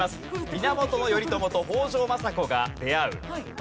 源頼朝と北条政子が出会う。